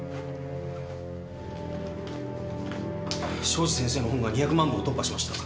庄司先生の本が２００万部を突破しました。